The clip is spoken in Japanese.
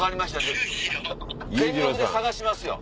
全力で捜しますよ。